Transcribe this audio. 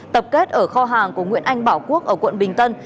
tập kết ở kho hàng của nguyễn anh bảo quốc ở quận bình tân